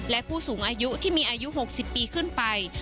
และผู้สูงอายุที่มีอายุ๖๐ปีขึ้นไป